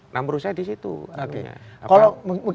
nah menurut saya disitu